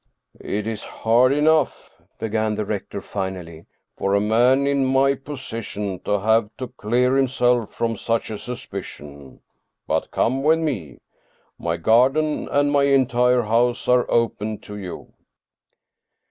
" It is hard enough," began the rector finally, " for a man in my position to have to clear himself from such a suspicion. But come with me. My garden and my entire house are open to you."